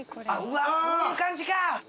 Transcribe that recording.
うわっこういう感じか！